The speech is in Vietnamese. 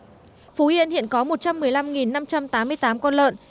phú yên hiện có một trăm một mươi năm năm trăm tám mươi tám con lợn